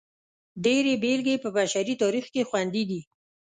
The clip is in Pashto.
ډېرې بېلګې یې په بشري تاریخ کې خوندي دي.